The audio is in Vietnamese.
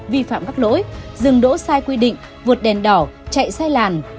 vi phạm các lỗi dừng đỗ sai quy định vượt đèn đỏ chạy sai làn